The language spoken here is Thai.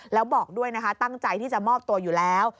แล้วบอกด้วยนะคะตั้งใจที่จะมอบตัวอยู่แล้ว